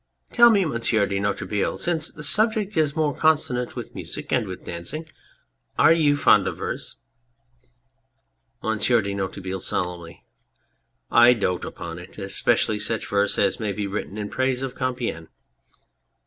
Tell me, Monsieur de Noiretable since the subject is more consonant with music and with dancing are you fond of verse ? MONSIEUR DE NOIRETABLE (solemnly}. I dote upon it ! especially such verse as may be written in praise of Compiegne. ...